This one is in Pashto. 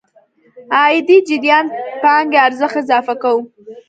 عايدي جريان پانګې ارزښت اضافه کوو.